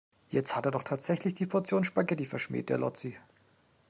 Jetzt hat er doch tatsächlich die Portion Spaghetti verschmäht, der Lotzi.